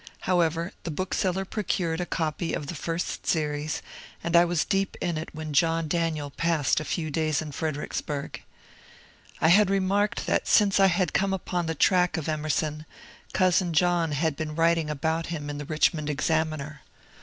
However, the bookseller procured a copy of the ^^ First Series," and I was deep in it when John Daniel passed a few days in Fredericksburg. I had remarked that since I had come upon the track of Emerson, cousin John had been writing about him in the ^'Richmond Examiner."